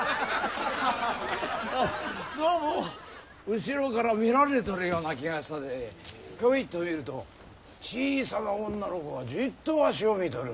あっどうも後ろから見られとるような気がしたでひょいと見ると小さな女の子がじっとわしを見とる。